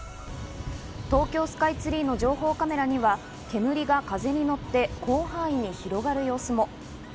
東京スカイツリーの情報カメラには煙が風にのって広範囲に広がる様子も。